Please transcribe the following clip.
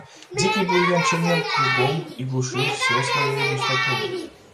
Дикий бурьян чернел кругом и глушил всё своею густотою.